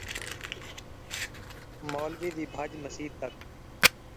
عربی پڑھے ناں ہن٘دی ، گھیلی وتّے گن٘دی